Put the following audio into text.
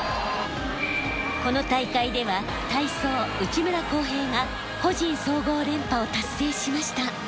この大会では体操内村航平が個人総合連覇を達成しました。